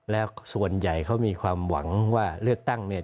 และส่วนใหญ่มีความหวังเลือกตังค์